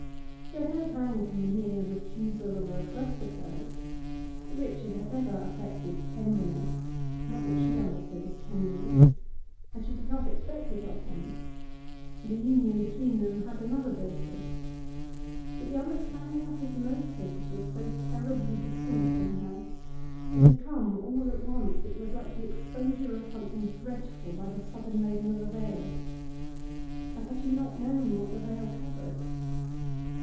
She had no pang from the mere refusal of a request of hers; Richard had never affected tenderness not what she understood as tenderness and she did not expect it of him. The union between them had another basis. But the understanding of his motives was so terribly distinct in her! It had come all at once; it was like the exposure of something dreadful by the sudden raising of a veil. And had she not known what the veil covered?